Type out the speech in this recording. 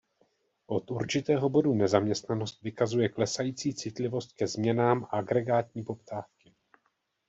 Od určitého bodu nezaměstnanost vykazuje klesající citlivost ke změnám agregátní poptávky.